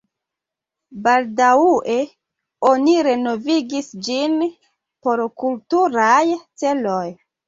Baldaŭe oni renovigis ĝin por kulturaj celoj.